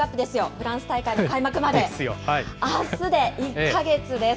フランス大会の開幕まであすで１か月です。